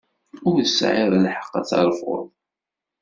Ur tesɛiḍ lḥeqq ad terfuḍ.